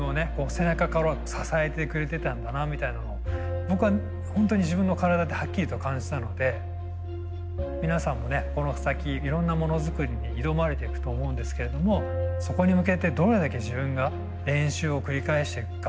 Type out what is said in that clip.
背中から支えてくれてたんだなみたいなのを僕はホントに自分の体ではっきりと感じたので皆さんもねこの先いろんなものづくりに挑まれていくと思うんですけどもそこに向けてどれだけ自分が練習を繰り返していくか。